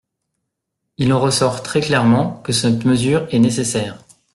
Il en ressort très clairement que cette mesure est nécessaire.